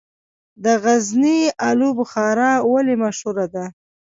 د غزني الو بخارا ولې مشهوره ده؟